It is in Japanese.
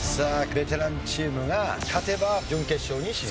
ベテランチームが勝てば準決勝に進出。